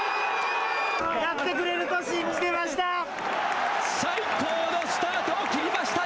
やってくれると信じてました！